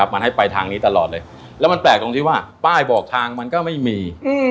มันให้ไปทางนี้ตลอดเลยแล้วมันแปลกตรงที่ว่าป้ายบอกทางมันก็ไม่มี